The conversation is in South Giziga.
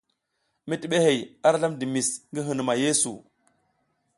Mitibihey ara zlam dimis ngi hinuma yeesu.